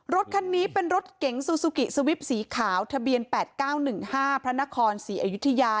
รถคันนี้เป็นรถเก๋งซูซูกิสวิปสีขาวทะเบียน๘๙๑๕พระนครศรีอยุธยา